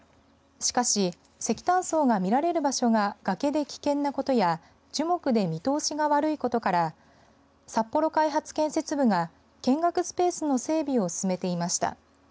しかし、石炭層が見られる場所が崖で危険なことや樹木で見通しが悪いことから札幌開発建設部が見学スペースの整備を進めていました。